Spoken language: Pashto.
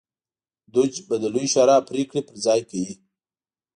دوج به د لویې شورا پرېکړې پر ځای کوي